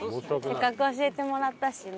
せっかく教えてもらったしね。